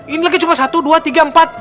ini lagi cuma satu dua tiga empat